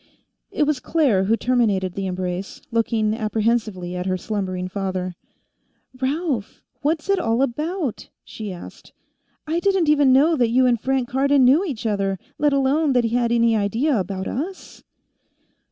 It was Claire who terminated the embrace, looking apprehensively at her slumbering father. "Ralph, what's it all about?" she asked. "I didn't even know that you and Frank Cardon knew each other, let alone that he had any idea about us."